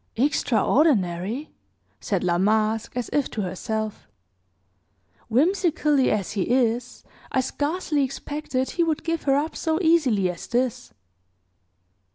"Extraordinary!" said La Masque, as if to herself. "Whimsical as he is, I scarcely expected he would give her up so easily as this."